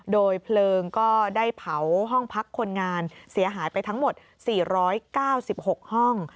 โดยเพลิงก็ได้เผาห้องพักคนงานเสียหายไปทั้งหมด๔๙๖ห้อง